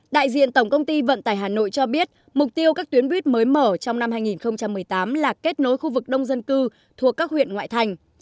đại diện tổng công ty vận tải hà nội cho biết mục tiêu các tuyến buýt mới mở trong năm hai nghìn một mươi tám là kết nối khu vực đông dân cư thuộc các huyện ngoại thành